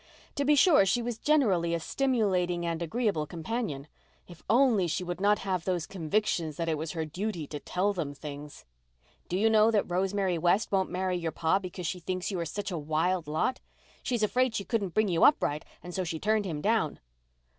To be sure, she was generally a stimulating and agreeable companion. If only she would not have those convictions that it was her duty to tell them things! "Do you know that Rosemary West won't marry your pa because she thinks you are such a wild lot? She's afraid she couldn't bring you up right and so she turned him down."